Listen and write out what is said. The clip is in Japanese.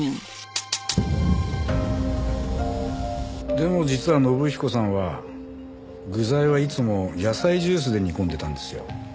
でも実は信彦さんは具材はいつも野菜ジュースで煮込んでたんですよ。